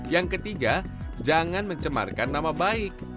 yang ketiga jangan mencemarkan nama baik